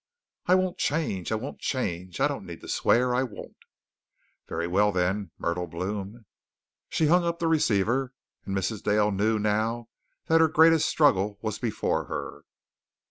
"I won't change. I won't change. I don't need to swear. I won't." "Very well, then, Myrtle Bloom." She hung up the receiver, and Mrs. Dale knew now that her greatest struggle was before her.